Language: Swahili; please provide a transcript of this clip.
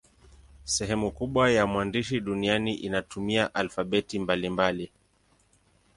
Sehemu kubwa ya maandishi duniani inatumia alfabeti mbalimbali.